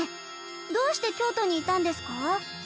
どうして京都にいたんですか？